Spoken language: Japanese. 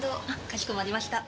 かしこまりました。